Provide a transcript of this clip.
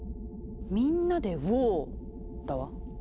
「みんなでウォー」だわ！